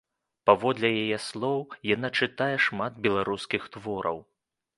Паводле яе слоў, яна чытае шмат беларускіх твораў.